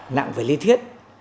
nặng về lý thuyết